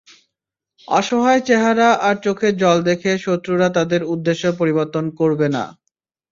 অসহায় চেহারা আর চোখের জল দেখে শত্রুরা তাদের উদ্দেশ্য পরিবর্তন করবে না।